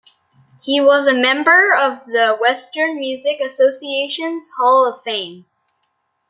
He was a member of the Western Music Association's Hall of Fame.